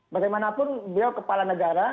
bagaimanapun biar kepala negara